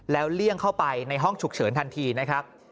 แล้วเลี่ยงเข้าไปในห้องฉุกเฉินทันทีนะครับ